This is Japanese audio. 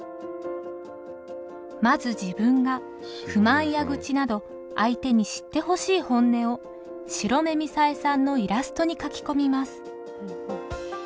まず自分が不満や愚痴など相手に知ってほしい本音を白目みさえさんのイラストに書き込みます。